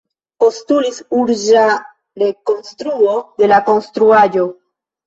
Postulis urĝa rekonstruo de la konstruaĵo.